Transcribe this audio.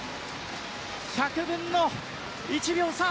１００分の１秒差。